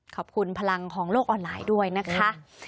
พลังของโลกออนไลน์ด้วยนะคะ